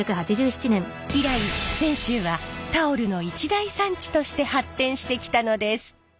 以来泉州はタオルの一大産地として発展してきたのです。